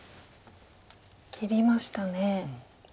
切りましたね。